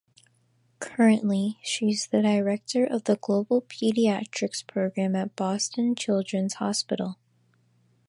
Currently, she is the director of the Global Pediatrics Program at Boston Children's Hospital.